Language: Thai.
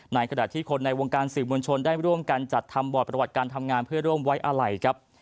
ในขณะที่คนในวงการศิลป์มวลชนได้ร่วมการจัดทำบอดประวัติการทำงานเพื่อร่วมไว้อะไหล